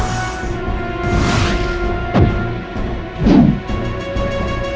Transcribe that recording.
tidak akhir kan